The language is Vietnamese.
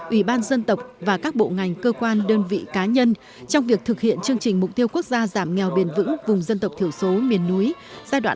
ủy ban dân tộc và các bộ ngành cơ quan đơn vị cá nhân trong việc thực hiện chương trình mục tiêu quốc gia giảm nghèo bền vững vùng dân tộc thiểu số miền núi giai đoạn hai nghìn hai mươi một hai nghìn ba mươi